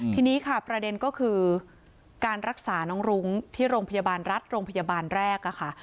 ทีนี้ค่ะประเด็นก็คือการรักษาน้องรุ้งที่โรงพยาบาลรัฐโรงพยาบาลแรกค่ะ